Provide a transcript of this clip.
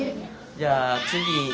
じゃあ次。